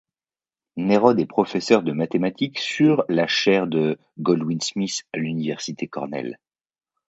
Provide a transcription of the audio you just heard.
Nerode est professeur de mathématiques sur la chaire de Goldwin Smith à l'université Cornell.